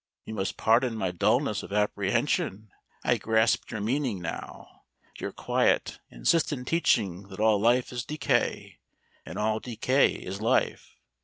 You must pardon my dulness of apprehension. I grasp your meaning now; your quiet insistent teaching that all life is decay and all decay is life.